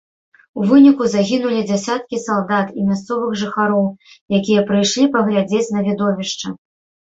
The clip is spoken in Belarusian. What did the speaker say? У выніку загінулі дзясяткі салдат і мясцовых жыхароў, якія прыйшлі паглядзець на відовішча.